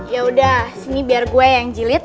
yaudah sini biar gue yang jilid